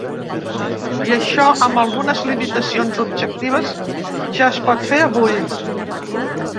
I això, amb algunes limitacions objectives, ja es pot fer avui.